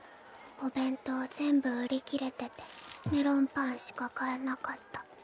お弁当全部売り切れててメロンパンしか買えなかった。